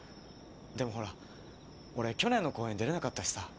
でもほら俺去年の公演出れなかったしさ。